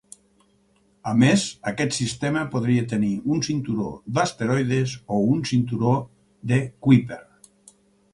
A més, aquest sistema podria tenir un cinturó d'asteroides o un cinturó de Kuiper.